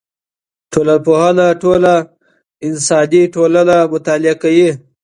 ټولنپوهنه ټوله انساني ټولنه مطالعه کوي.